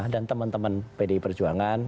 dan teman teman pdi perjuangan